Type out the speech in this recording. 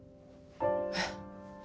えっ？